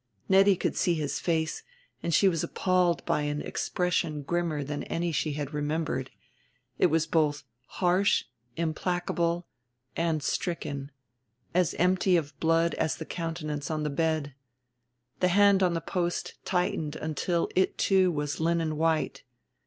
Nettie could see his face, and she was appalled by an, expression grimmer than any she remembered; it was both harsh, implacable, and stricken, as empty of blood as the countenance on the bed. The hand on the post tightened until it, too, was linen white.